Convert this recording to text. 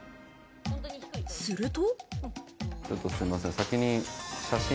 すると。